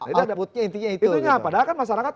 outputnya intinya itu padahal kan masyarakat